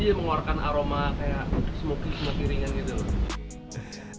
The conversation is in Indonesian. dia mengeluarkan aroma kayak smokey smokey ringan gitu